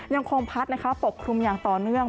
ยังคงพัดนะคะปกคลุมอย่างต่อเนื่อง